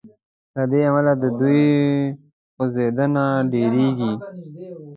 له دې امله د دوی خوځیدنه ډیریږي.